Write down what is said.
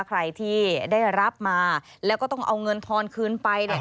ใครที่ได้รับมาแล้วก็ต้องเอาเงินทอนคืนไป